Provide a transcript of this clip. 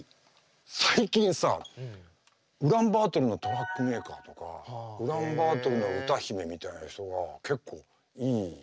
最近さウランバートルのトラックメーカーとかウランバートルの歌姫みたいな人が結構いい曲を出してて。